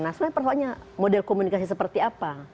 nah soalnya pertanyaannya model komunikasi seperti apa